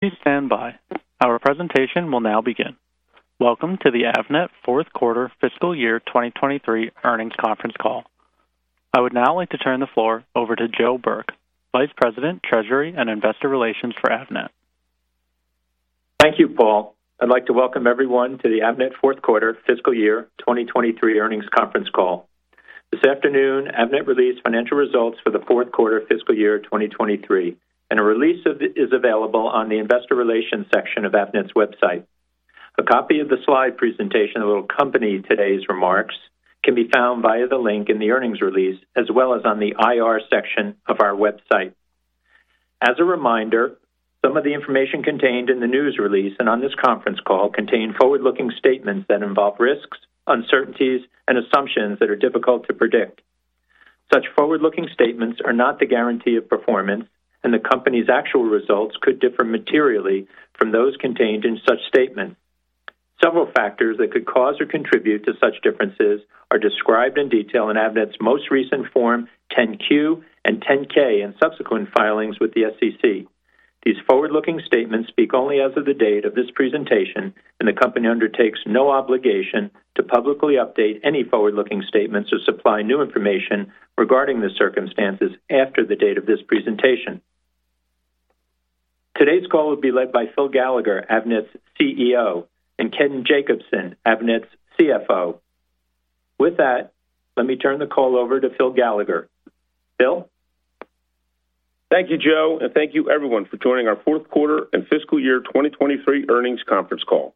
Please stand by. Our presentation will now begin. Welcome to the Avnet fourth quarter fiscal year 2023 earnings conference call. I would now like to turn the floor over to Joe Burke, Vice President, Treasury and Investor Relations for Avnet. Thank you, Paul. I'd like to welcome everyone to the Avnet fourth quarter fiscal year 2023 earnings conference call. This afternoon, Avnet released financial results for the fourth quarter fiscal year 2023, and a release of it is available on the Investor Relations section of Avnet's website. A copy of the slide presentation that will accompany today's remarks can be found via the link in the earnings release, as well as on the IR section of our website. As a reminder, some of the information contained in the news release and on this conference call contain forward-looking statements that involve risks, uncertainties, and assumptions that are difficult to predict. Such forward-looking statements are not the guarantee of performance, and the company's actual results could differ materially from those contained in such statements. Several factors that could cause or contribute to such differences are described in detail in Avnet's most recent Form 10-Q and 10-K and subsequent filings with the SEC. These forward-looking statements speak only as of the date of this presentation, and the company undertakes no obligation to publicly update any forward-looking statements or supply new information regarding the circumstances after the date of this presentation. Today's call will be led by Phil Gallagher, Avnet's CEO, and Ken Jacobson, Avnet's CFO. With that, let me turn the call over to Phil Gallagher. Phil? Thank you, Joe, and thank you everyone for joining our fourth quarter and fiscal year 2023 earnings conference call.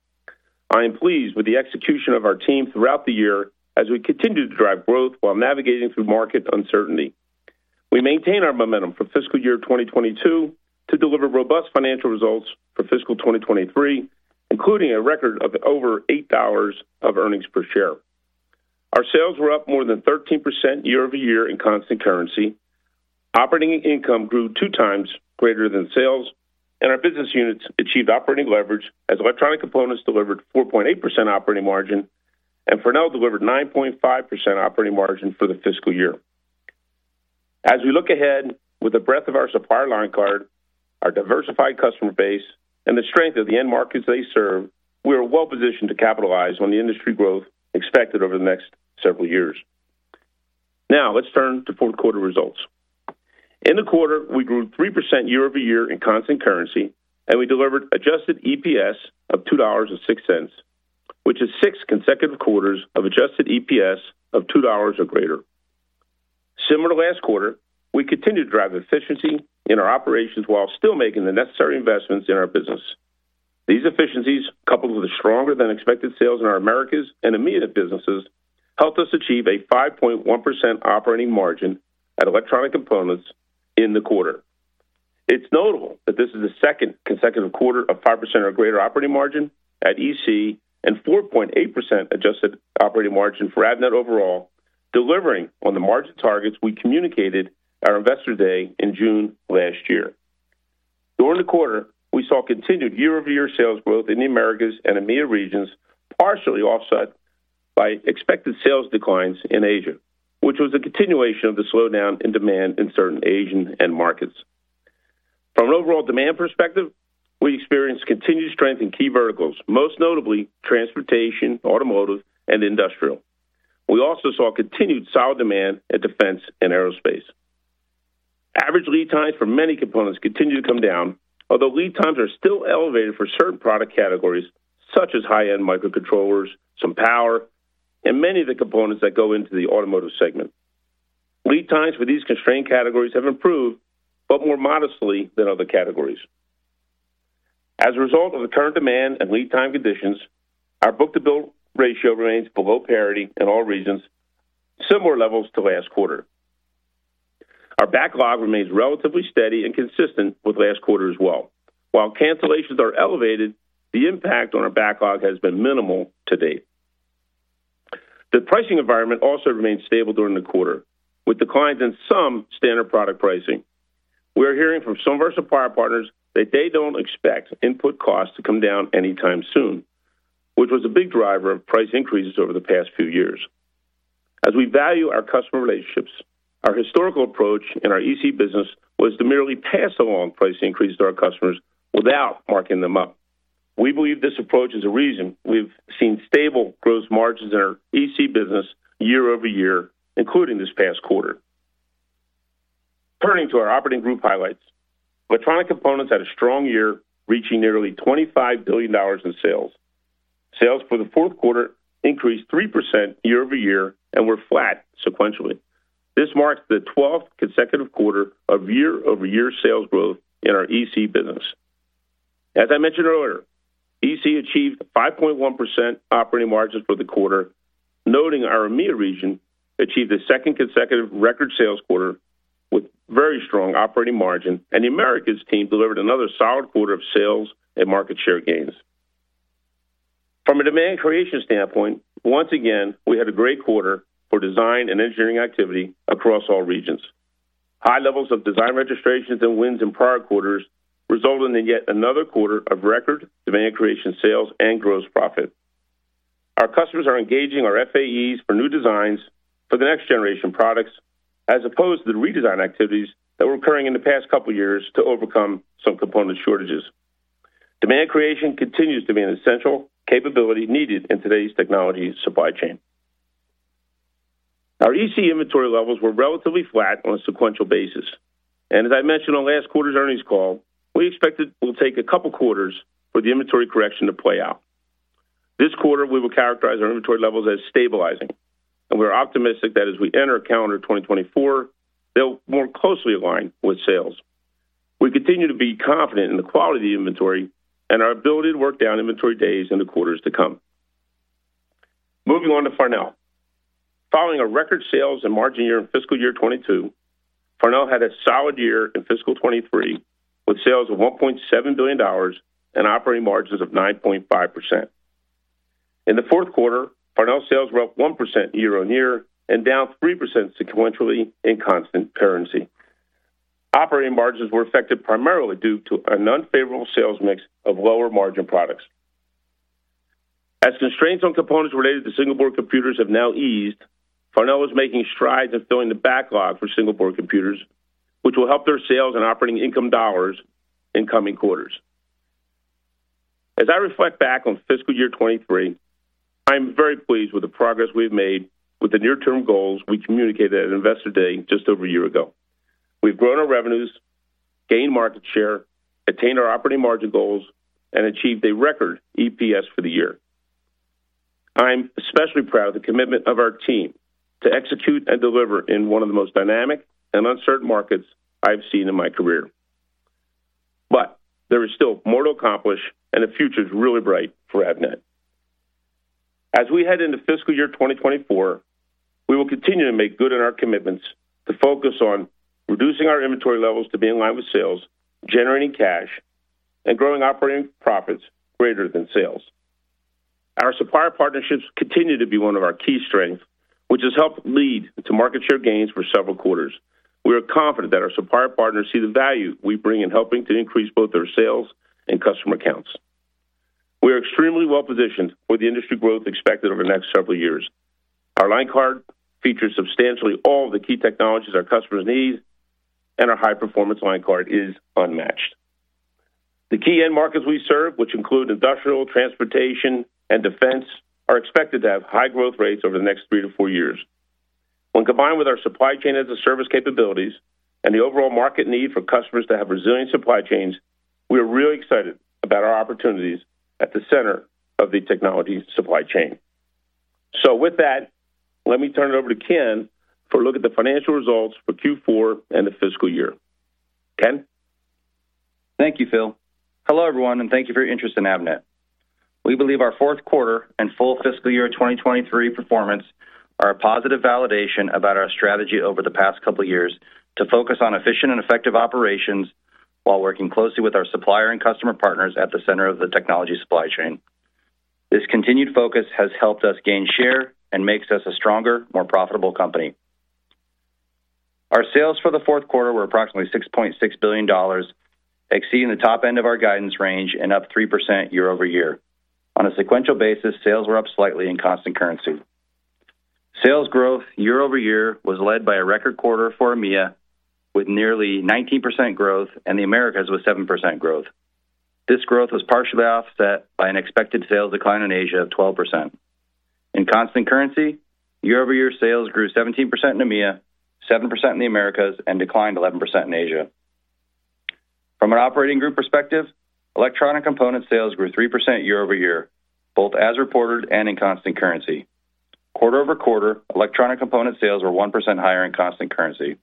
I am pleased with the execution of our team throughout the year as we continue to drive growth while navigating through market uncertainty. We maintain our momentum for fiscal year 2022 to deliver robust financial results for fiscal 2023, including a record of over $8 of earnings per share. Our sales were up more than 13% year-over-year in constant currency. Operating income grew 2 times greater than sales, and our business units achieved operating leverage as Electronic Components delivered 4.8% operating margin, and Farnell delivered 9.5% operating margin for the fiscal year. As we look ahead with the breadth of our supply line card, our diversified customer base, and the strength of the end markets they serve, we are well positioned to capitalize on the industry growth expected over the next several years. Now, let's turn to fourth quarter results. In the quarter, we grew 3% year-over-year in constant currency, and we delivered adjusted EPS of $2.06, which is six consecutive quarters of adjusted EPS of $2 or greater. Similar to last quarter, we continued to drive efficiency in our operations while still making the necessary investments in our business. These efficiencies, coupled with stronger than expected sales in our Americas and EMEA businesses, helped us achieve a 5.1% operating margin at electronic components in the quarter. It's notable that this is the second consecutive quarter of 5% or greater operating margin at EC and 4.8% adjusted operating margin for Avnet overall, delivering on the margin targets we communicated our Investor Day in June last year. During the quarter, we saw continued year-over-year sales growth in the Americas and EMEA regions, partially offset by expected sales declines in Asia, which was a continuation of the slowdown in demand in certain Asian end markets. From an overall demand perspective, we experienced continued strength in key verticals, most notably transportation, automotive, and industrial. We also saw continued solid demand at defense and aerospace. Average lead times for many components continue to come down, although lead times are still elevated for certain product categories, such as high-end microcontrollers, some power, and many of the components that go into the automotive segment. Lead times for these constrained categories have improved, but more modestly than other categories. As a result of the current demand and lead time conditions, our book-to-bill ratio remains below parity in all regions, similar levels to last quarter. Our backlog remains relatively steady and consistent with last quarter as well. While cancellations are elevated, the impact on our backlog has been minimal to date. The pricing environment also remained stable during the quarter, with declines in some standard product pricing. We are hearing from some of our supplier partners that they don't expect input costs to come down anytime soon, which was a big driver of price increases over the past few years. As we value our customer relationships, our historical approach in our EC business was to merely pass along price increases to our customers without marking them up. We believe this approach is a reason we've seen stable gross margins in our EC business year-over-year, including this past quarter. Turning to our operating group highlights. Electronic Components had a strong year, reaching nearly $25 billion in sales. Sales for the fourth quarter increased 3% year-over-year and were flat sequentially. This marks the 12th consecutive quarter of year-over-year sales growth in our EC business. As I mentioned earlier, EC achieved a 5.1% operating margin for the quarter, noting our EMEA region achieved a second consecutive record sales quarter with very strong operating margin, and the Americas team delivered another solid quarter of sales and market share gains. From a demand creation standpoint, once again, we had a great quarter for design and engineering activity across all regions. High levels of design registrations and wins in prior quarters resulted in yet another quarter of record demand creation, sales and gross profit. Customers are engaging our FAEs for new designs for the next generation products, as opposed to the redesign activities that were occurring in the past couple of years to overcome some component shortages. Demand creation continues to be an essential capability needed in today's technology supply chain. Our EC inventory levels were relatively flat on a sequential basis, and as I mentioned on last quarter's earnings call, we expected it will take a couple of quarters for the inventory correction to play out. This quarter, we will characterize our inventory levels as stabilizing, and we're optimistic that as we enter calendar 2024, they'll more closely align with sales. We continue to be confident in the quality of the inventory and our ability to work down inventory days in the quarters to come. Moving on to Farnell. Following a record sales and margin year in fiscal year 2022, Farnell had a solid year in fiscal 2023, with sales of $1.7 billion and operating margins of 9.5%. In the fourth quarter, Farnell sales were up 1% year-on-year and down 3% sequentially in constant currency. Operating margins were affected primarily due to an unfavorable sales mix of lower margin products. As constraints on components related to single-board computers have now eased, Farnell is making strides in filling the backlog for single-board computers, which will help their sales and operating income dollars in coming quarters. As I reflect back on fiscal year 2023, I'm very pleased with the progress we've made with the near-term goals we communicated at Investor Day just over a year ago. We've grown our revenues, gained market share, attained our operating margin goals, and achieved a record EPS for the year. I'm especially proud of the commitment of our team to execute and deliver in one of the most dynamic and uncertain markets I've seen in my career. There is still more to accomplish and the future is really bright for Avnet. As we head into fiscal year 2024, we will continue to make good on our commitments to focus on reducing our inventory levels to be in line with sales, generating cash, and growing operating profits greater than sales. Our supplier partnerships continue to be one of our key strengths, which has helped lead to market share gains for several quarters. We are confident that our supplier partners see the value we bring in helping to increase both their sales and customer accounts. We are extremely well-positioned for the industry growth expected over the next several years. Our line card features substantially all the key technologies our customers need, and our high-performance line card is unmatched. The key end markets we serve, which include industrial, transportation, and defense, are expected to have high growth rates over the next three-four years. When combined with our Supply Chain as a Service capabilities and the overall market need for customers to have resilient supply chains, we are really excited about our opportunities at the center of the technology supply chain. With that, let me turn it over to Ken for a look at the financial results for Q4 and the fiscal year. Ken? Thank you, Phil. Hello, everyone, and thank you for your interest in Avnet. We believe our fourth quarter and full fiscal year 2023 performance are a positive validation about our strategy over the past couple of years to focus on efficient and effective operations while working closely with our supplier and customer partners at the center of the technology supply chain. This continued focus has helped us gain share and makes us a stronger, more profitable company. Our sales for the fourth quarter were approximately $6.6 billion, exceeding the top end of our guidance range and up 3% year-over-year. On a sequential basis, sales were up slightly in constant currency. Sales growth year-over-year was led by a record quarter for EMEA, with nearly 19% growth, and the Americas with 7% growth. This growth was partially offset by an expected sales decline in Asia of 12%. In constant currency, year-over-year sales grew 17% in EMEA, 7% in the Americas, and declined 11% in Asia. From an operating group perspective, electronic component sales grew 3% year-over-year, both as reported and in constant currency. Quarter-over-quarter, electronic component sales were 1% higher in constant currency.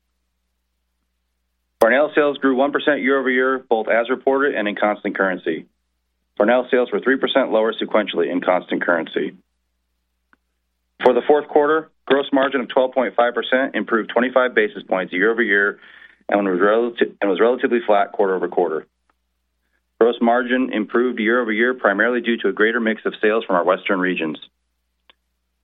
Farnell sales grew 1% year-over-year, both as reported and in constant currency. Farnell sales were 3% lower sequentially in constant currency. For the fourth quarter, gross margin of 12.5% improved 25 basis points year-over-year and was relatively flat quarter-over-quarter. Gross margin improved year-over-year, primarily due to a greater mix of sales from our Western regions.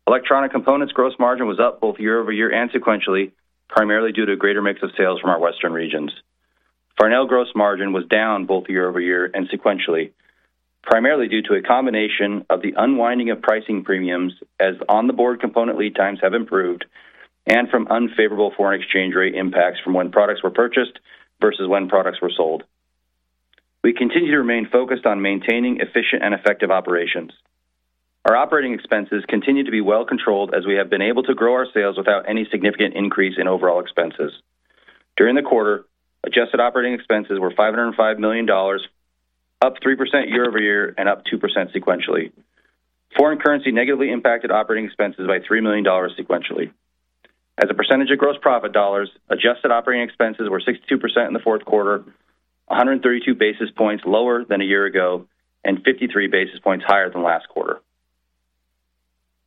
Electronic Components gross margin was up both year-over-year and sequentially, primarily due to a greater mix of sales from our Western regions. Farnell gross margin was down both year-over-year and sequentially, primarily due to a combination of the unwinding of pricing premiums, as on-the-board component lead times have improved and from unfavorable foreign exchange rate impacts from when products were purchased versus when products were sold. We continue to remain focused on maintaining efficient and effective operations. Our operating expenses continue to be well controlled as we have been able to grow our sales without any significant increase in overall expenses. During the quarter, adjusted operating expenses were $505 million, up 3% year-over-year and up 2% sequentially. Foreign currency negatively impacted operating expenses by $3 million sequentially. As a percentage of gross profit dollars, adjusted operating expenses were 62% in the fourth quarter, 132 basis points lower than a year ago, and 53 basis points higher than last quarter.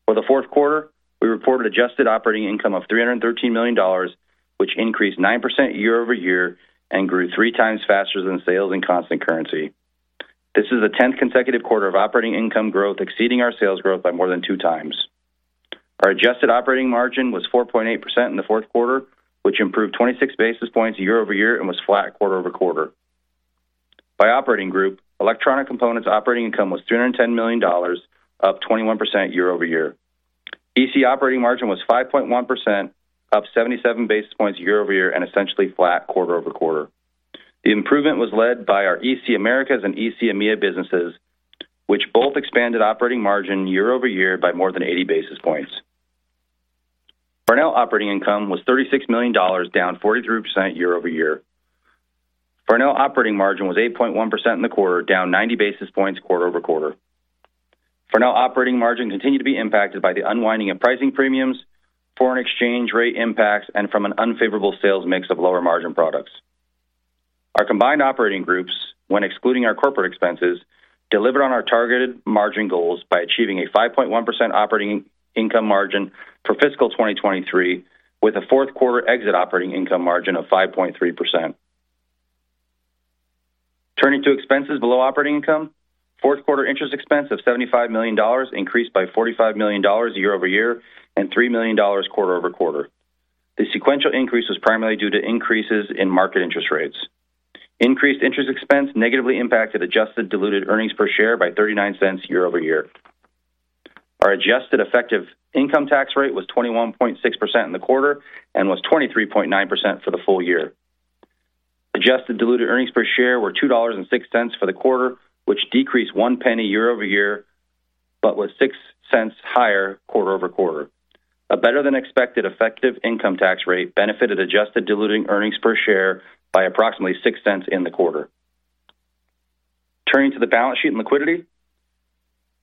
For the fourth quarter, we reported adjusted operating income of $313 million, which increased 9% year-over-year and grew 3 times faster than sales in constant currency. This is the 10th consecutive quarter of operating income growth, exceeding our sales growth by more than 2 times. Our adjusted operating margin was 4.8% in the fourth quarter, which improved 26 basis points year-over-year and was flat quarter-over-quarter. By operating group, Electronic Components operating income was $210 million, up 21% year-over-year. EC operating margin was 5.1%, up 77 basis points year-over-year, and essentially flat quarter-over-quarter. The improvement was led by our EC Americas and EC EMEA businesses, which both expanded operating margin year-over-year by more than 80 basis points. Farnell operating income was $36 million, down 43% year-over-year. Farnell operating margin was 8.1% in the quarter, down 90 basis points quarter-over-quarter. Farnell operating margin continued to be impacted by the unwinding of pricing premiums, foreign exchange rate impacts, and from an unfavorable sales mix of lower margin products. Our combined operating groups, when excluding our corporate expenses, delivered on our targeted margin goals by achieving a 5.1% operating income margin for fiscal 2023, with a fourth quarter exit operating income margin of 5.3%. Turning to expenses below operating income. fourth quarter interest expense of $75 million increased by $45 million year-over-year, and $3 million quarter-over-quarter. The sequential increase was primarily due to increases in market interest rates. Increased interest expense negatively impacted adjusted diluted earnings per share by $0.39 year-over-year. Our adjusted effective income tax rate was 21.6% in the quarter and was 23.9% for the full year. Adjusted diluted earnings per share were $2.06 for the quarter, which decreased $0.01 year-over-year, but was $0.06 higher quarter-over-quarter. A better-than-expected effective income tax rate benefited adjusted diluted earnings per share by approximately $0.06 in the quarter. Turning to the balance sheet and liquidity.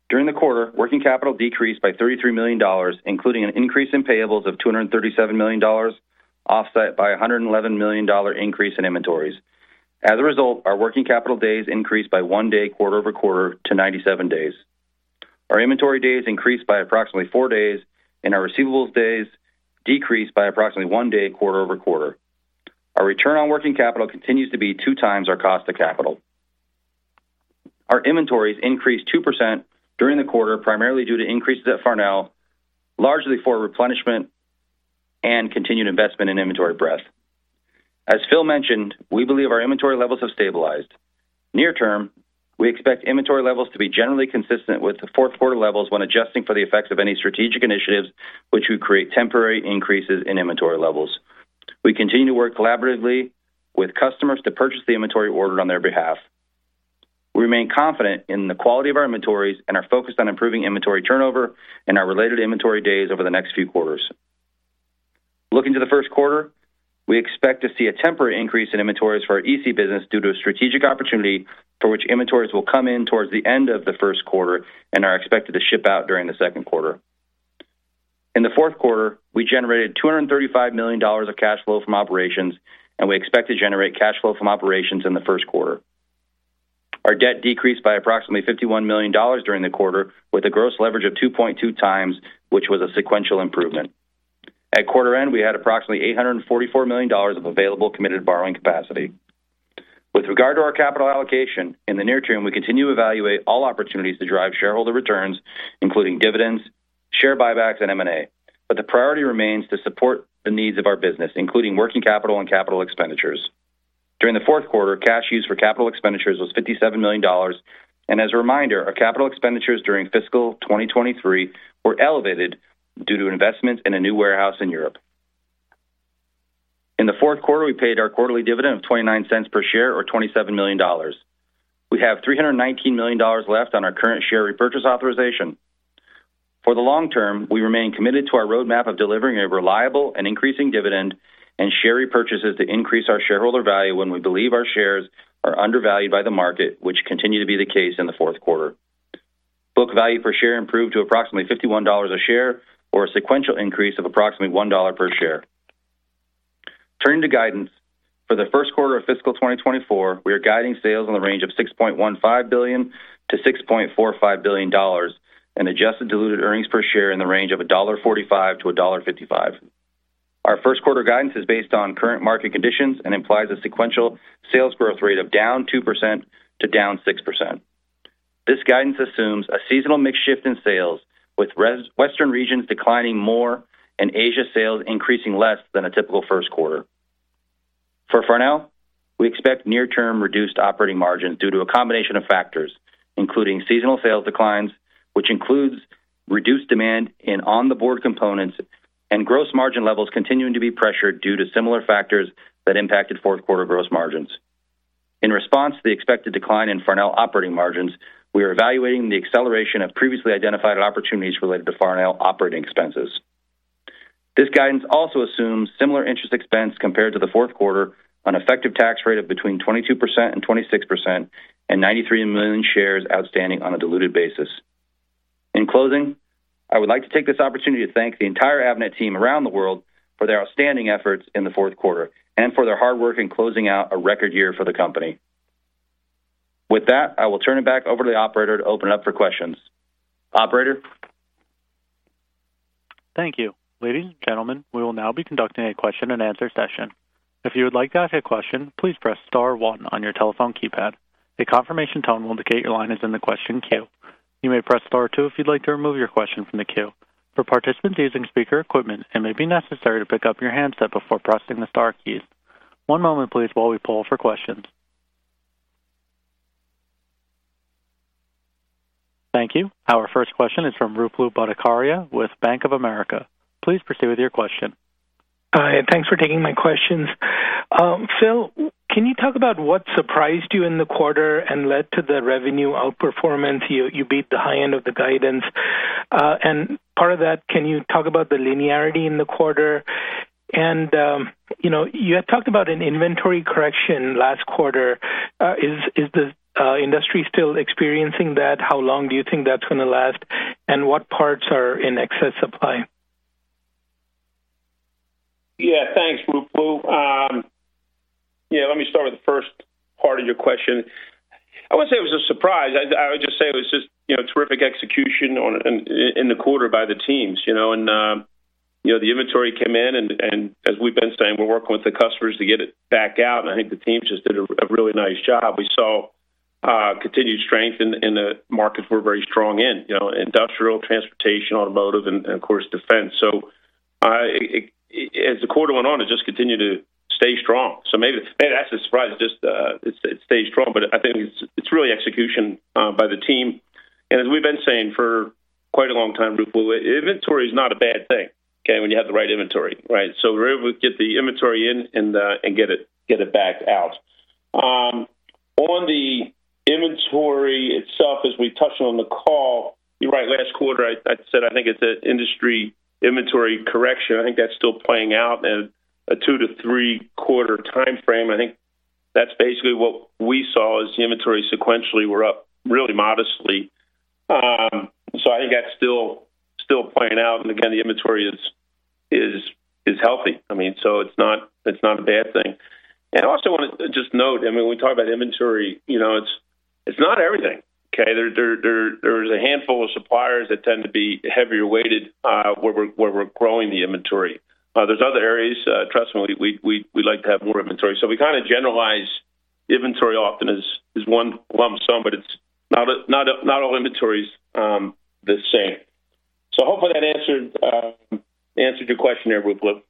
During the quarter, working capital decreased by $33 million, including an increase in payables of $237 million, offset by a $111 million increase in inventories. As a result, our working capital days increased by one day quarter-over-quarter to 97 days. Our inventory days increased by approximately four days, and our receivables days decreased by approximately one day quarter-over-quarter. Our return on working capital continues to be 2x our cost of capital. Our inventories increased 2% during the quarter, primarily due to increases at Farnell, largely for replenishment and continued investment in inventory breadth. As Phil mentioned, we believe our inventory levels have stabilized. Near term, we expect inventory levels to be generally consistent with the fourth quarter levels when adjusting for the effects of any strategic initiatives, which would create temporary increases in inventory levels. We continue to work collaboratively with customers to purchase the inventory ordered on their behalf. We remain confident in the quality of our inventories and are focused on improving inventory turnover and our related inventory days over the next few quarters. Looking to the first quarter, we expect to see a temporary increase in inventories for our EC business due to a strategic opportunity for which inventories will come in towards the end of the first quarter and are expected to ship out during the second quarter. In the fourth quarter, we generated $235 million of cash flow from operations. We expect to generate cash flow from operations in the first quarter. Our debt decreased by approximately $51 million during the quarter, with a gross leverage of 2.2x, which was a sequential improvement. At quarter end, we had approximately $844 million of available committed borrowing capacity. With regard to our capital allocation, in the near term, we continue to evaluate all opportunities to drive shareholder returns, including dividends, share buybacks, and M&A. The priority remains to support the needs of our business, including working capital and capital expenditures. During the fourth quarter, cash used for capital expenditures was $57 million, and as a reminder, our capital expenditures during fiscal 2023 were elevated due to investments in a new warehouse in Europe. In the fourth quarter, we paid our quarterly dividend of $0.29 per share, or $27 million. We have $319 million left on our current share repurchase authorization. For the long term, we remain committed to our roadmap of delivering a reliable and increasing dividend and share repurchases to increase our shareholder value when we believe our shares are undervalued by the market, which continued to be the case in the fourth quarter. Book value per share improved to approximately $51 a share, or a sequential increase of approximately $1 per share. Turning to guidance. For the first quarter of fiscal 2024, we are guiding sales in the range of $6.15 billion-$6.45 billion, and adjusted diluted earnings per share in the range of $1.45-$1.55. Our first quarter guidance is based on current market conditions and implies a sequential sales growth rate of down 2% to down 6%. This guidance assumes a seasonal mix shift in sales, with western regions declining more and Asia sales increasing less than a typical first quarter. For Farnell, we expect near-term reduced operating margins due to a combination of factors, including seasonal sales declines, which includes reduced demand in on-the-board components and gross margin levels continuing to be pressured due to similar factors that impacted fourth quarter gross margins. In response to the expected decline in Farnell operating margins, we are evaluating the acceleration of previously identified opportunities related to Farnell operating expenses. This guidance also assumes similar interest expense compared to the fourth quarter on effective tax rate of between 22% and 26%, and 93 million shares outstanding on a diluted basis. In closing, I would like to take this opportunity to thank the entire Avnet team around the world for their outstanding efforts in the fourth quarter and for their hard work in closing out a record year for the company. With that, I will turn it back over to the operator to open it up for questions. Operator? Thank you. Ladies and gentlemen, we will now be conducting a question-and-answer session. If you would like to ask a question, please press star one on your telephone keypad. A confirmation tone will indicate your line is in the question queue. You may press star two if you'd like to remove your question from the queue. For participants using speaker equipment, it may be necessary to pick up your handset before pressing the star keys. One moment, please, while we poll for questions. Thank you. Our first question is from Ruplu Bhattacharya with Bank of America. Please proceed with your question. Hi, thanks for taking my questions. Phil, can you talk about what surprised you in the quarter and led to the revenue outperformance? You, you beat the high end of the guidance. Part of that, can you talk about the linearity in the quarter? You know, you had talked about an inventory correction last quarter. Is, is the industry still experiencing that? How long do you think that's going to last, and what parts are in excess supply? Yeah, thanks, Ruplu. Yeah, let me start with the first part of your question. I wouldn't say it was a surprise. I, I would just say it was just, you know, terrific execution in, in the quarter by the teams, you know. You know, the inventory came in, and, and as we've been saying, we're working with the customers to get it back out, and I think the teams just did a, a really nice job. We saw continued strength in, in the markets we're very strong in, you know, industrial, transportation, automotive, and, and of course, defense. As the quarter went on, it just continued to stay strong. Maybe, maybe that's a surprise, just, it, it stayed strong, but I think it's, it's really execution, by the team. As we've been saying for quite a long time, Ruplu, inventory is not a bad thing, okay, when you have the right inventory, right? We were able to get the inventory in and get it, get it back out. On the inventory itself, as we touched on the call, you're right. Last quarter, I, I said I think it's an industry inventory correction. I think that's still playing out in a two- to three-quarter timeframe. I think that's basically what we saw as the inventory sequentially were up really modestly. I think that's still, still playing out, and again, the inventory is, is, is healthy. I mean, it's not, it's not a bad thing. I also want to just note, I mean, when we talk about inventory, you know, it's, it's not everything, okay? There, there, there, there is a handful of suppliers that tend to be heavier weighted, where we're, where we're growing the inventory. There's other areas, trust me, we, we, we'd like to have more inventory. We kind of generalize inventory often as, as one lump sum, but it's not, not all inventory is the same. Hopefully that answered, answered your question there, Ruplu.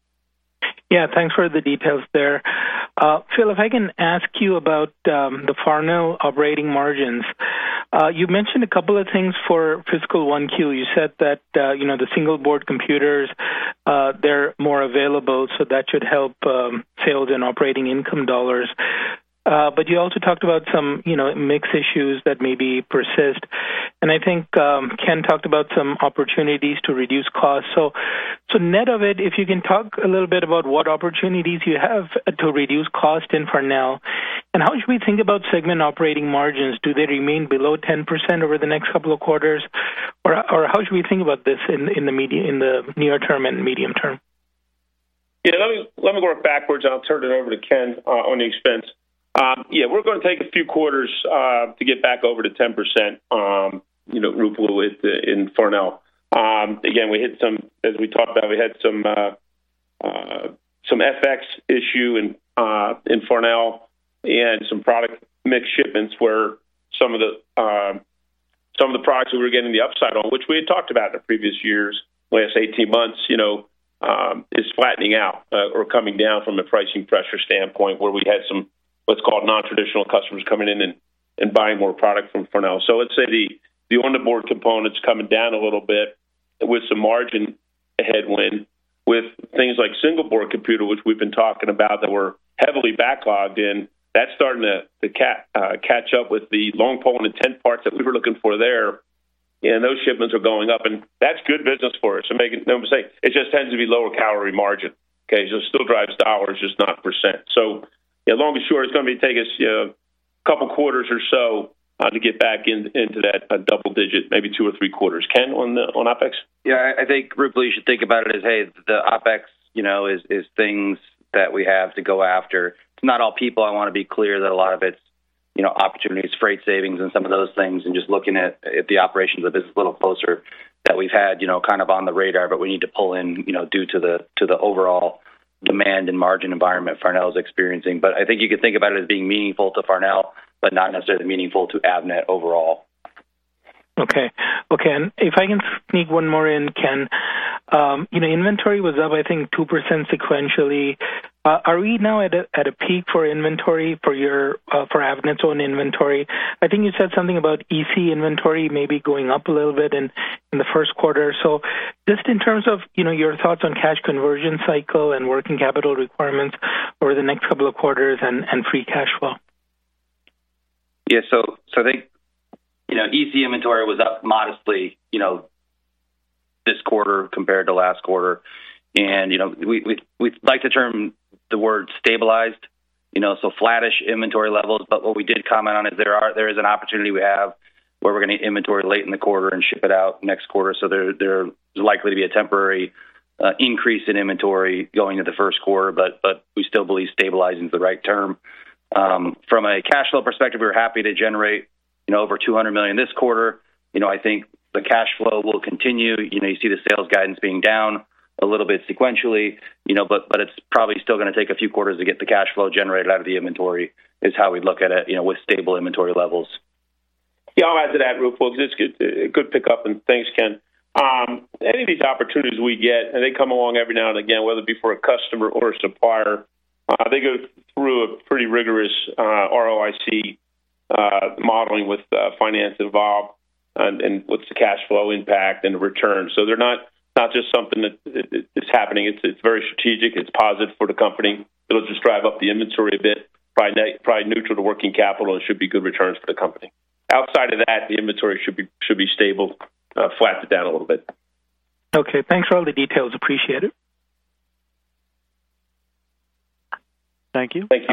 Yeah, thanks for the details there. Phil, if I can ask you about the Farnell operating margins. You mentioned a couple of things for fiscal 1Q. You said that, you know, the single-board computers, they're more available, so that should help sales and operating income dollars. You also talked about some, you know, mix issues that maybe persist, and I think, Ken talked about some opportunities to reduce costs. Net of it, if you can talk a little bit about what opportunities you have to reduce cost in Farnell, and how should we think about segment operating margins? Do they remain below 10% over the next couple of quarters? Or how should we think about this in the near term and medium term? Yeah, let me, let me work backwards, and I'll turn it over to Ken on the expense. Yeah, we're going to take a few quarters to get back over to 10%, you know, Ruplu, in Farnell. Again, we hit some as we talked about, we had some FX issue in Farnell and some product mix shipments where some of the products we were getting the upside on, which we had talked about in the previous years, last 18 months, you know, is flattening out or coming down from a pricing pressure standpoint, where we had some what's called non-traditional customers coming in and buying more product from Farnell. I'd say the on-the-board components coming down a little bit with some margin headwind, with things like single-board computer, which we've been talking about, that we're heavily backlogged in, that's starting to catch up with the long pole in the tent parts that we were looking for there, and those shipments are going up, and that's good business for us. Make no mistake, it just tends to be lower calorie margin. It still drives dollars, just not %. Yeah, long and short, it's going to take us, you know, a couple quarters or so, to get back into that double-digit, maybe two or three quarters. Ken, on OpEx? Yeah, I, I think, Ruplu, you should think about it as, hey, the OpEx, you know, is, is things that we have to go after. It's not all people. I want to be clear that a lot of it's, you know, opportunities, freight savings and some of those things, and just looking at, at the operations of this little poster that we've had, you know, kind of on the radar, but we need to pull in, you know, due to the, to the overall demand and margin environment Farnell is experiencing. I think you can think about it as being meaningful to Farnell, but not necessarily meaningful to Avnet overall. Okay. Okay, if I can sneak one more in, Ken. You know, inventory was up, I think, 2% sequentially. Are we now at a, at a peak for inventory, for your, for Avnet's own inventory? I think you said something about EC inventory maybe going up a little bit in, in the first quarter. Just in terms of, you know, your thoughts on cash conversion cycle and working capital requirements over the next couple of quarters and, and free cash flow. Yeah, so, so I think, you know, EC inventory was up modestly, you know, this quarter compared to last quarter. You know, we, we, we like the term, the word stabilized, you know, so flattish inventory levels. What we did comment on is there is an opportunity we have where we're going to inventory late in the quarter and ship it out next quarter. There, there is likely to be a temporary increase in inventory going into the first quarter, but, but we still believe stabilizing is the right term. From a cash flow perspective, we're happy to generate, you know, over $200 million this quarter. You know, I think the cash flow will continue. You know, you see the sales guidance being down.... a little bit sequentially, you know, but it's probably still gonna take a few quarters to get the cash flow generated out of the inventory, is how we look at it, you know, with stable inventory levels. Yeah, I'll add to that, Ruplu. It's good, a good pickup, thanks, Ken. Any of these opportunities we get, and they come along every now and again, whether it be for a customer or a supplier, they go through a pretty rigorous ROIC modeling with the finance involved and what's the cash flow impact and the return. They're not, not just something that is, is happening. It's very strategic. It's positive for the company. It'll just drive up the inventory a bit. Probably neutral to working capital, and should be good returns for the company. Outside of that, the inventory should be stable, flattened down a little bit. Okay. Thanks for all the details. Appreciate it. Thank you. Thanks.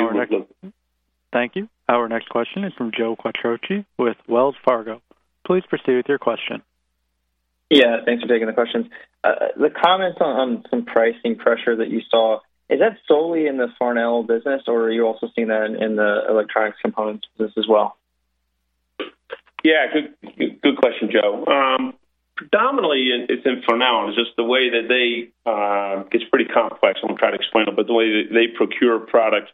Thank you. Our next question is from Joe Quatrochi with Wells Fargo. Please proceed with your question. Yeah, thanks for taking the questions. The comments on, on some pricing pressure that you saw, is that solely in the Farnell business, or are you also seeing that in the Electronic Components business as well? Yeah, good, good question, Joe. Predominantly, it's in Farnell. It's just the way that they... It gets pretty complex, I'm gonna try to explain it, but the way that they procure product,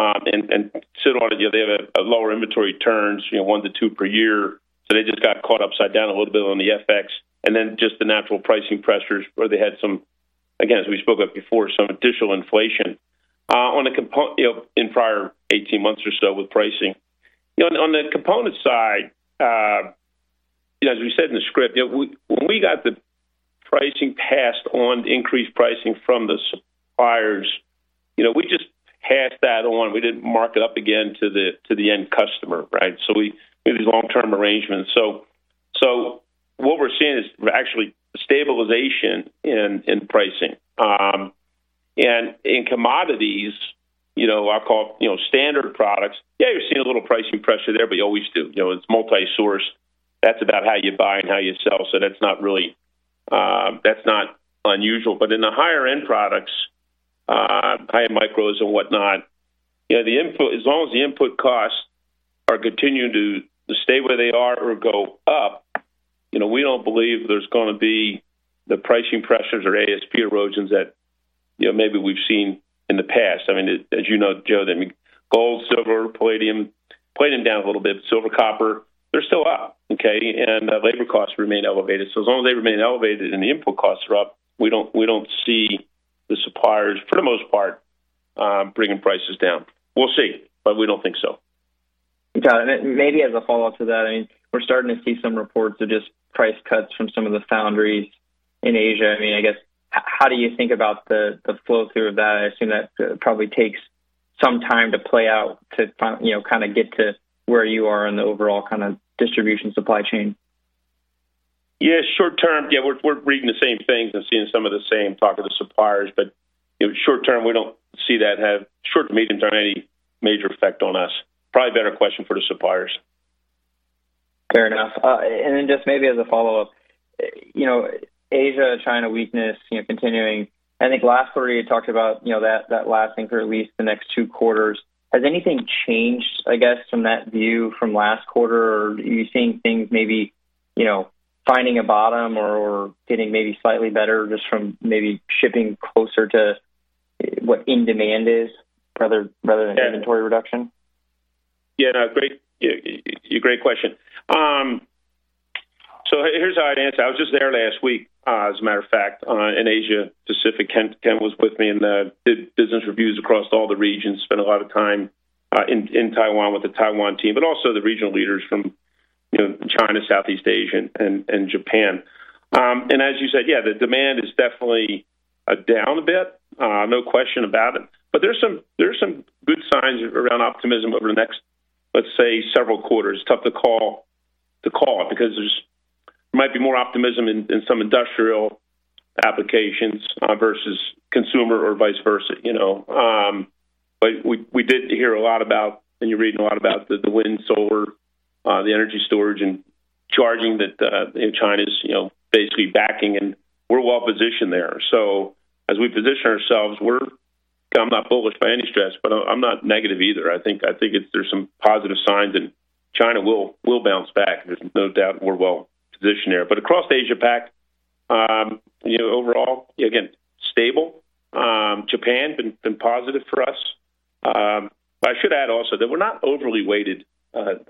and, and sit on it, they have a lower inventory turns, you know, one to two per year. They just got caught upside down a little bit on the FX, and then just the natural pricing pressures where they had some, again, as we spoke about before, some additional inflation on the component, you know, in prior 18 months or so with pricing. You know, on the, on the component side, as we said in the script, you know, when we got the pricing passed on, the increased pricing from the suppliers, you know, we just passed that on. We didn't mark it up again to the end customer, right? We, it was long-term arrangements. What we're seeing is actually stabilization in pricing. In commodities, you know, I call, you know, standard products, yeah, you're seeing a little pricing pressure there, but you always do. You know, it's multi-source. That's about how you buy and how you sell, so that's not really, that's not unusual. In the higher-end products, higher micros and whatnot, you know, the input as long as the input costs are continuing to stay where they are or go up, you know, we don't believe there's gonna be the pricing pressures or ASP erosions that, you know, maybe we've seen in the past. I mean, as you know, Joe, I mean, gold, silver, palladium, palladium down a little bit, but silver, copper, they're still up, okay? Labor costs remain elevated. As long as they remain elevated and the input costs are up, we don't, we don't see the suppliers, for the most part, bringing prices down. We'll see, but we don't think so. Got it. Maybe as a follow-up to that, I mean, we're starting to see some reports of just price cuts from some of the foundries in Asia. I mean, I guess, how do you think about the, the flow through of that? I assume that probably takes some time to play out, to you know, kind of get to where you are in the overall kind of distribution supply chain. Yeah, short term, yeah, we're, we're reading the same things and seeing some of the same talk with the suppliers, but, you know, short term, we don't see that have short to medium term, any major effect on us. Probably a better question for the suppliers. Fair enough. Then just maybe as a follow-up, you know, Asia, China weakness, you know, continuing. I think last quarter, you talked about, you know, that, that lasting for at least the next two quarters. Has anything changed, I guess, from that view from last quarter? Or are you seeing things maybe, you know, finding a bottom or, or getting maybe slightly better just from maybe shipping closer to what in demand is rather, rather than inventory reduction? Yeah, no, great, great question. Here's how I'd answer. I was just there last week, as a matter of fact, in Asia Pacific. Ken was with me, and did business reviews across all the regions, spent a lot of time in Taiwan with the Taiwan team, but also the regional leaders from, you know, China, Southeast Asia, and Japan. As you said, yeah, the demand is definitely down a bit, no question about it. There's some, there's some good signs around optimism over the next, let's say, several quarters. Tough to call, to call it, because there's might be more optimism in, in some industrial applications, versus consumer or vice versa, you know. We, we did hear a lot about, and you're reading a lot about the, the wind, solar, the energy storage and charging that in China is basically backing, and we're well positioned there. As we position ourselves, we're... I'm not bullish by any stretch, but I'm not negative either. I think, I think it's there's some positive signs, China will, will bounce back. There's no doubt we're well positioned there. Across Asia Pac, overall, again, stable. Japan been, been positive for us. I should add also that we're not overly weighted,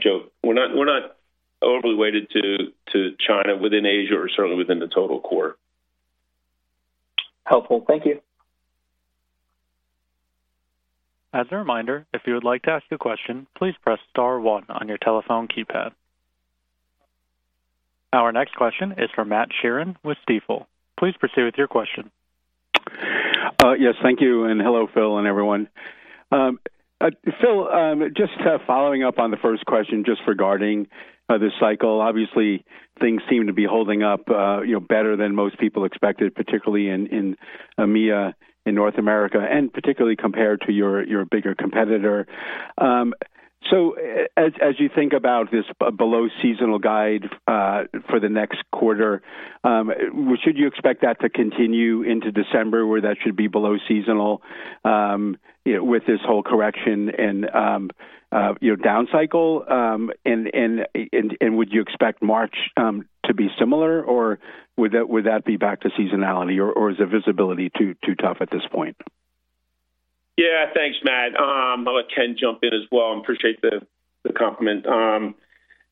Joe. We're not, we're not overly weighted to, to China within Asia, or certainly within the total core. Helpful. Thank you. As a reminder, if you would like to ask a question, please press star 1 on your telephone keypad. Our next question is from Matt Sheerin with Stifel. Please proceed with your question. Yes, thank you, and hello, Phil, and everyone. Phil, just following up on the first question, just regarding the cycle. Obviously, things seem to be holding up, you know, better than most people expected, particularly in EMEA, in North America, and particularly compared to your, your bigger competitor. As you think about this below seasonal guide for the next quarter, should you expect that to continue into December, where that should be below seasonal, you know, with this whole correction and, you know, downcycle? Would you expect March to be similar, or would that, would that be back to seasonality, or, or is the visibility too, too tough at this point? Yeah, thanks, Matt. I'll let Ken jump in as well and appreciate the, the compliment.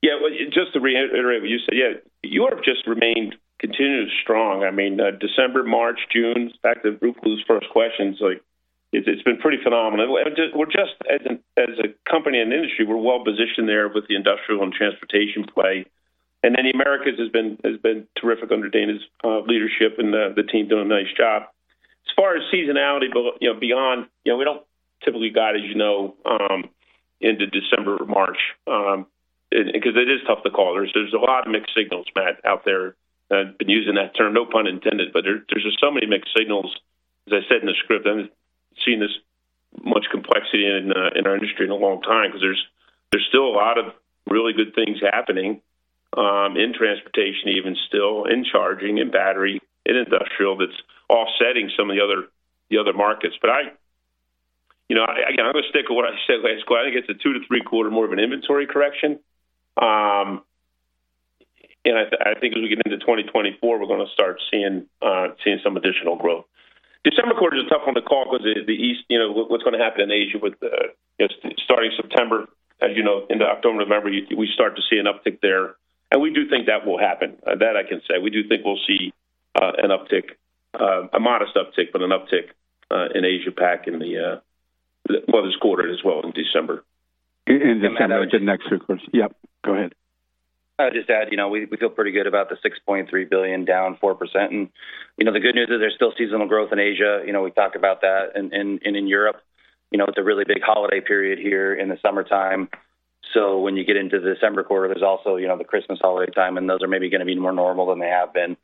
Yeah, well, just to reiterate what you said, yeah, Europe just remained continuously strong. I mean, December, March, June, back to Ruplu's first questions, like, it's, it's been pretty phenomenal. We're just as an, as a company and industry, we're well positioned there with the industrial and transportation play. The Americas has been, has been terrific under Dayna's leadership, and the, the team doing a nice job. As far as seasonality, but, you know, beyond, you know, we don't typically guide, as you know, into December or March, and because it is tough to call. There's, there's a lot of mixed signals, Matt, out there. I've been using that term, no pun intended, but there, there's just so many mixed signals. As I said in the script, I haven't seen this much complexity in, in our industry in a long time because there's, there's still a lot of really good things happening, in transportation, even still in charging, in battery, in industrial, that's offsetting some of the other, the other markets. I, you know, again, I'm going to stick with what I said last quarter. I think it's a two to three quarter more of an inventory correction. I, I think as we get into 2024, we're going to start seeing, seeing some additional growth. December quarter is tough one to call because the, the East, you know, what's going to happen in Asia with the starting September, as you know, into October, November, we start to see an uptick there, and we do think that will happen. That I can say. We do think we'll see, an uptick, a modest uptick, but an uptick, in Asia Pac in the, well, this quarter as well in December. Then the next three quarters. Yep, go ahead. I'll just add, you know, we, we feel pretty good about the $6.3 billion, down 4%. You know, the good news is there's still seasonal growth in Asia. In Europe, you know, it's a really big holiday period here in the summertime. When you get into the December quarter, there's also, you know, the Christmas holiday time, and those are maybe going to be more normal than they have been.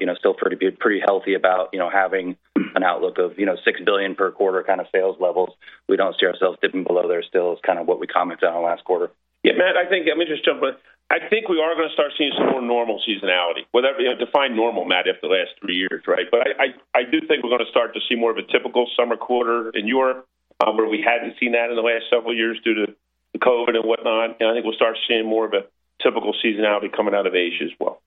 You know, still pretty good, pretty healthy about, you know, having an outlook of, you know, $6 billion per quarter kind of sales levels. We don't see ourselves dipping below there still is kind of what we commented on last quarter. Yeah, Matt, I think let me just jump in. I think we are going to start seeing some more normal seasonality. Whether, you know, define normal, Matt, after the last three years, right? I, I, I do think we're going to start to see more of a typical summer quarter in Europe, where we hadn't seen that in the last several years due to COVID and whatnot. I think we'll start seeing more of a typical seasonality coming out of Asia as well.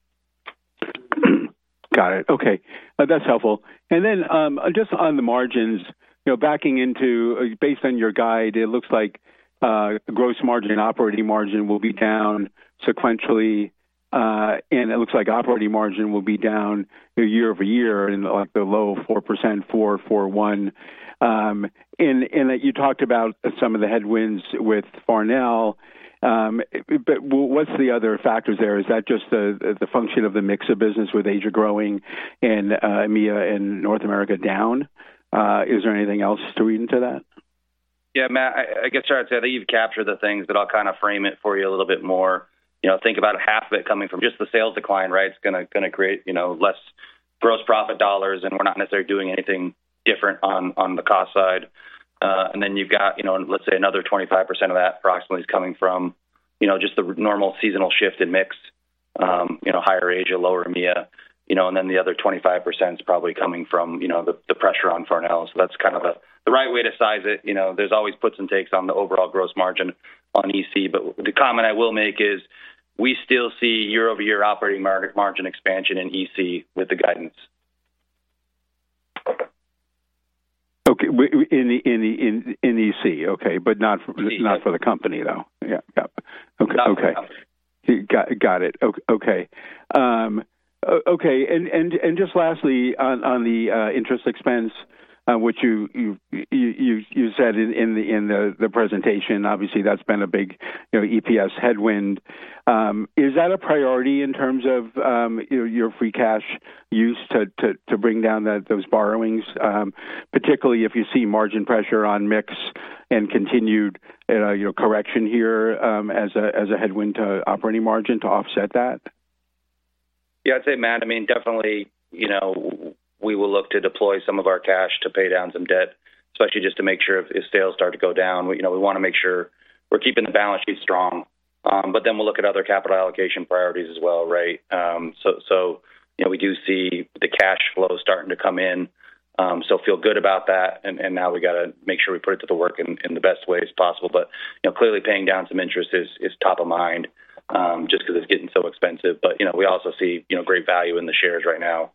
Got it. Okay, that's helpful. Just on the margins, you know, backing into -- based on your guide, it looks like gross margin and operating margin will be down sequentially, and it looks like operating margin will be down year-over-year in, like, the low 4%, 4.41%. You talked about some of the headwinds with Farnell, but what's the other factors there? Is that just the, the function of the mix of business with Asia growing and EMEA and North America down? Is there anything else to read into that? Yeah, Matt, I, I guess I'd say that you've captured the things, but I'll kind of frame it for you a little bit more. You know, think about half of it coming from just the sales decline, right? It's gonna, gonna create, you know, less gross profit dollars, and we're not necessarily doing anything different on, on the cost side. And then you've got, you know, let's say another 25% of that approximately is coming from, you know, just the normal seasonal shift in mix, you know, higher Asia, lower EMEA, you know, and then the other 25% is probably coming from, you know, the, the pressure on Farnell. That's kind of the, the right way to size it. You know, there's always puts and takes on the overall gross margin on EC, but the comment I will make is we still see year-over-year operating margin expansion in EC with the guidance. Okay, in the EC, okay, but not for the company, though. Yeah. Yep. Okay. Got it. Got it. Okay. Okay, just lastly on the interest expense, which you said in the presentation, obviously that's been a big, you know, EPS headwind. Is that a priority in terms of, you know, your free cash use to bring down that those borrowings, particularly if you see margin pressure on mix and continued, you know, correction here, as a headwind to operating margin to offset that? Yeah, I'd say, Matt, I mean, definitely, you know, we will look to deploy some of our cash to pay down some debt, especially just to make sure if sales start to go down, you know, we want to make sure we're keeping the balance sheet strong. We'll look at other capital allocation priorities as well, right? You know, we do see the cash flow starting to come in, so feel good about that. Now we got to make sure we put it to the work in, in the best ways possible. You know, clearly paying down some interest is, is top of mind, just because it's getting so expensive. You know, we also see, you know, great value in the shares right now,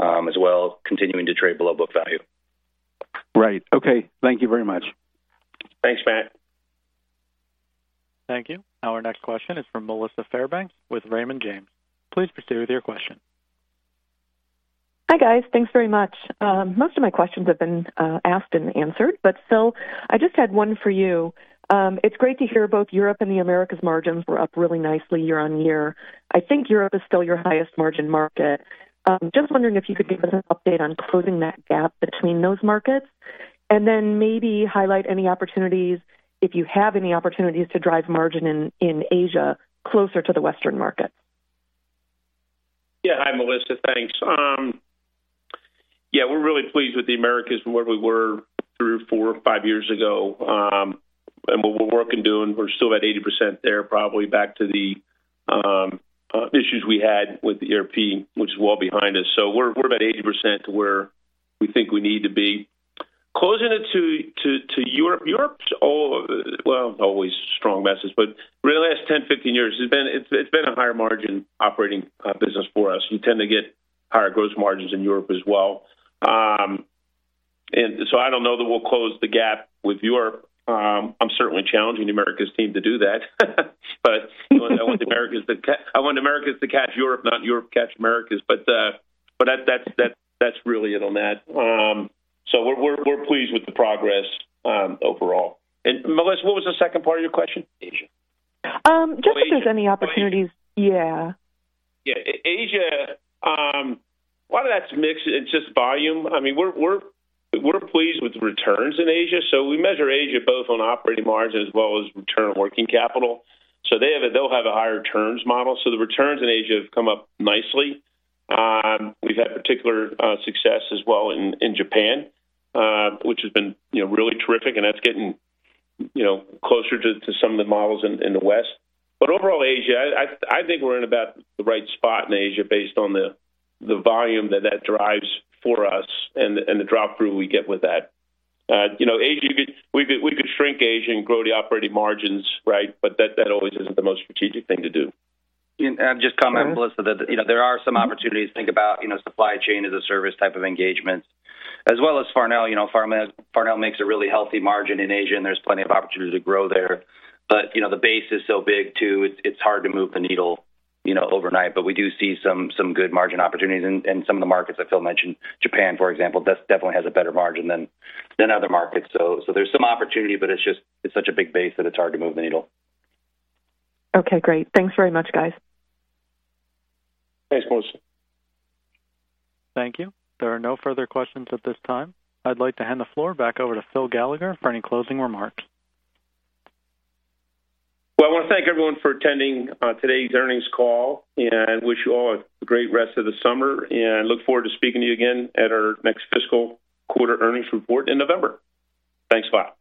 as well, continuing to trade below book value. Right. Okay. Thank you very much. Thanks, Matt. Thank you. Our next question is from Melissa Fairbanks with Raymond James. Please proceed with your question. Hi, guys. Thanks very much. Most of my questions have been asked and answered, but Phil, I just had one for you. It's great to hear both Europe and the Americas margins were up really nicely year-on-year. I think Europe is still your highest margin market. Just wondering if you could give us an update on closing that gap between those markets, and then maybe highlight any opportunities, if you have any opportunities, to drive margin in, in Asia closer to the Western markets. Yeah. Hi, Melissa. Thanks. Yeah, we're really pleased with the Americas from where we were through four or five years ago, and what we're working to, and we're still about 80% there, probably back to the issues we had with the ERP, which is well behind us. We're, we're about 80% to where we think we need to be. Closing it to, to, to Europe. Europe's al-- well, always strong message, but for the last 10, 15 years, it's been, it's, it's been a higher margin operating business for us. We tend to get higher gross margins in Europe as well. So I don't know that we'll close the gap with Europe. I'm certainly challenging Americas team to do that. I want Americas to I want Americas to catch Europe, not Europe catch Americas. That, that's, that's, that's really it on that. So we're, we're, we're pleased with the progress overall. Melissa, what was the second part of your question? Asia. Just if there's any opportunities. Yeah. Yeah, Asia, a lot of that's mixed. It's just volume. I mean, we're, we're, we're pleased with the returns in Asia. We measure Asia both on operating margin as well as return on working capital. They'll have a higher returns model. The returns in Asia have come up nicely. We've had particular success as well in Japan, which has been, you know, really terrific, and that's getting, you know, closer to some of the models in the West. Overall, Asia, I think we're in about the right spot in Asia based on the volume that drives for us and the drop through we get with that. You know, Asia, we could shrink Asia and grow the operating margins, right? That always isn't the most strategic thing to do. Just comment, Melissa, that, you know, there are some opportunities to think about, you know, Supply Chain as a Service type of engagement, as well as Farnell. You know, Farnell makes a really healthy margin in Asia, and there's plenty of opportunity to grow there. You know, the base is so big, too, it's, it's hard to move the needle, you know, overnight. We do see some, some good margin opportunities in, in some of the markets that Phil mentioned. Japan, for example, does definitely has a better margin than, than other markets. So there's some opportunity, but it's just, it's such a big base that it's hard to move the needle. Okay, great. Thanks very much, guys. Thanks, Melissa. Thank you. There are no further questions at this time. I'd like to hand the floor back over to Phil Gallagher for any closing remarks. I want to thank everyone for attending today's earnings call, and wish you all a great rest of the summer, and look forward to speaking to you again at our next fiscal quarter earnings report in November. Thanks a lot.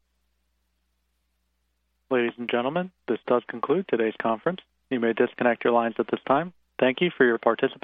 Ladies and gentlemen, this does conclude today's conference. You may disconnect your lines at this time. Thank you for your participation.